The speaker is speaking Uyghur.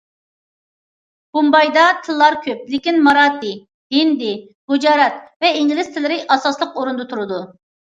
بومبايدا تىللار كۆپ، لېكىن ماراتى، ھىندى، گۇجارات ۋە ئىنگلىز تىللىرى ئاساسلىق ئورۇندا تۇرىدۇ.